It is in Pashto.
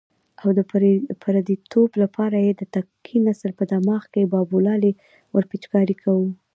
او د پردیتوب لپاره یې د تنکي نسل په دماغ کې بابولالې ورپېچکاري کوو.